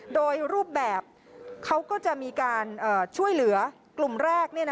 โดยรูปแบบเขาก็จะมีการช่วยเหลือกลุ่มแรก